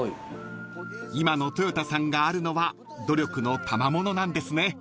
［今のとよたさんがあるのは努力のたまものなんですね］